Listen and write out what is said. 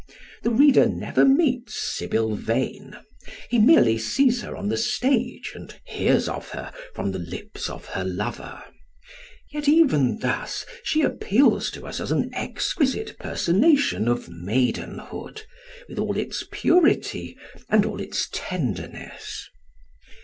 The reader never meets Sybil Vane; he merely sees her on the stage and hears of her from the lips of her lover; yet even thus she appeals to us as an exquisite personation of maidenhood with all its purity and all its tenderness.